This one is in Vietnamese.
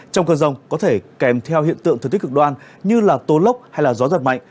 trong cơn rông có thể kèm theo hiện tượng thời tiết cực đoan như là tố lốc hay là gió giật mạnh